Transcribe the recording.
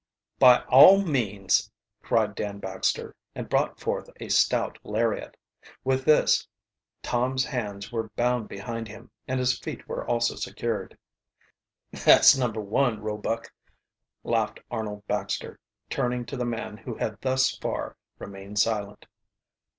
"By all means!" cried Dan Baxter, and brought forth a stout lariat. With this Toni's hands were bound behind him, and his feet were also secured. "That's number one, Roebuck," laughed Arnold Baxter, turning to the man who had thus far remained silent.